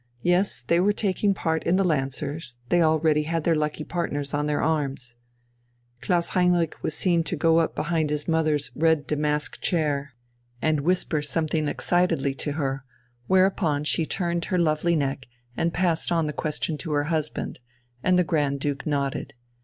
Yes, they were taking part in the lancers, they already had their lucky partners on their arms. Klaus Heinrich was seen to go up behind his mother's red damask chair and whisper something excitedly to her, whereupon she turned her lovely neck and passed on the question to her husband, and the Grand Duke nodded.